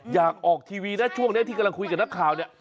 อยากออกทีวีนะช่วงนี้ที่กำลังคุยกับนักข่าวเนี่ย